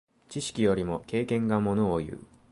知識よりも経験がものをいう。